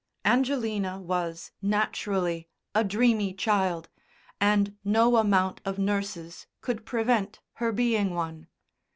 Angelina was, naturally, a dreamy child, and no amount of nurses could prevent her being one.